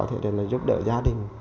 thì để nó giúp đỡ gia đình